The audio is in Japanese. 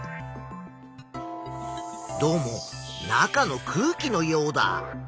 どうも中の空気のようだ。